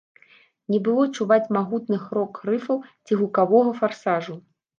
Не было чуваць магутных рок-рыфаў ці гукавога фарсажу.